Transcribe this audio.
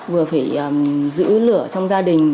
vừa phải giữ lửa trong gia đình